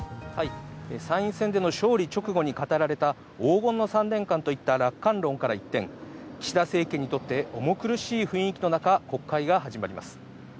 参院選での勝利直後に語られた黄金の３年間といった楽観論から一転、岸田政権にとって重苦しい雰囲気の中、国会が始まります。